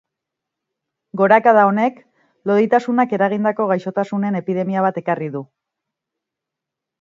Gorakada honek, loditasunak eragindako gaixotasunen epidemia bat ekarri du.